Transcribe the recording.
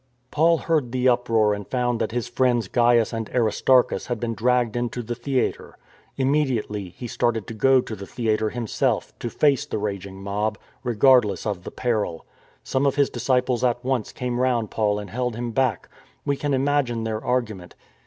Paul heard the uproar and found that his friends Gains and Aristarchus had been dragged into the theatre. Immediately he started to go to the theatre himself, to face the raging mob, regardless of the peril. Some of his disciples at once came round Paul and held him back. We can imagine their argument.